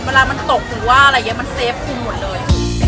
เวลามันตกหรือว่าอะไรอย่างนี้มันเฟฟคุมหมดเลย